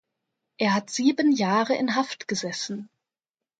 Er hat sieben Jahre in Haft gesessen.